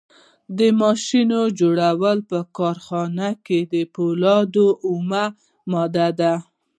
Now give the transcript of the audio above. د ماشین جوړونې په کارخانه کې فولاد اومه ماده ده.